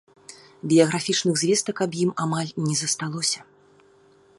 Біяграфічных звестак аб ім амаль не засталося.